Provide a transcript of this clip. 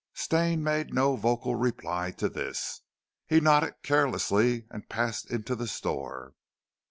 Stane made no vocal reply to this. He nodded carelessly and passed into the store.